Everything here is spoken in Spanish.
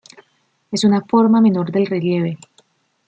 Es una forma menor del relieve.